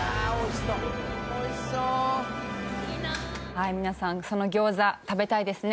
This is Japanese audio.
はい皆さんその餃子食べたいですね？